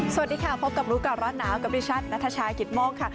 สวัสดีค่ะพบกับรู้ก่อนร้อนหนาวกับดิฉันนัทชายกิตโมกค่ะ